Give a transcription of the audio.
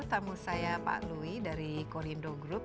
tamu saya pak louis dari korindo group